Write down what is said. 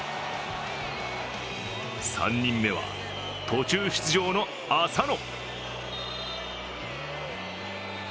３人目は途中出場の浅野。